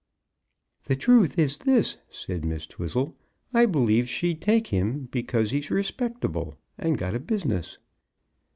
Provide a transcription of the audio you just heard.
"The truth is this," said Miss Twizzle, "I believe she'd take him, because he's respectable and got a business."